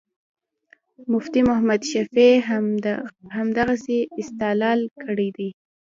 مفتي محمد شفیع همدغسې استدلال کړی دی.